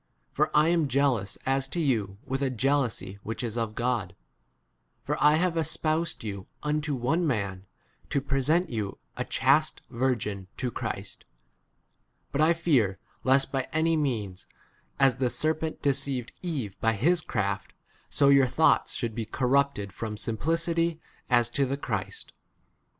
For I am jealous as to you with a jealousy [whijh is] of God ; for I have espousad you unto one man, to present [you] a chaste virgin to 3 Christ. But I fear lest by any means, as the serpent deceived Eve by his craft, so your thoughts should be corrupted from simpli 4 city h as to the Christ.